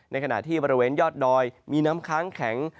ในขณะที่บริเวณยอดดอยมีน้ำค้างแข็ง